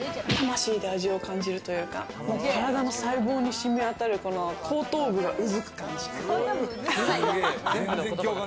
魂で味を感じるというか、体の細胞に染み渡る、後頭部がうずく感じ。